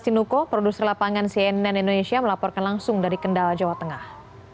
sinuko produser lapangan cnn indonesia melaporkan langsung dari kendal jawa tengah